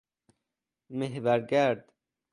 محور گرد